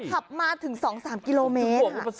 ขับมาถึง๒๓กิโลเมตร